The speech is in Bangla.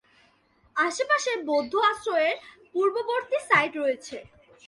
আশেপাশে বৌদ্ধ আশ্রয়ের পূর্ববর্তী সাইট রয়েছে।